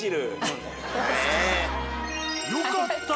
よかった。